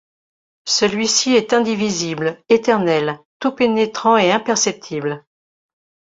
Celui-ci est indivisible, éternel, tout pénétrant et imperceptible.